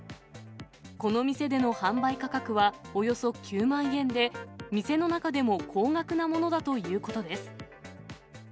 この店での販売価格はおよそ９万円で、店の中でも高額なものだということです。